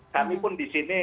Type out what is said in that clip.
kami pun di sini